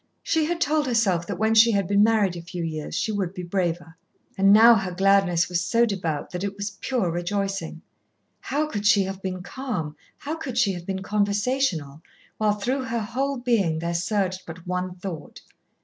She had told herself that when she had been married a few years she would be braver. And now her gladness was so devout that it was pure rejoicing. How could she have been calm, how could she have been conversational, while through her whole being there surged but one thought.